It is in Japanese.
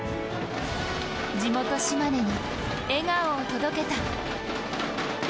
地元・島根に笑顔を届けた。